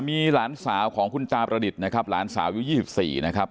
มีหลานสาวของคุณตาประดิษฐ์นะครับหลานสาวอายุ๒๔นะครับ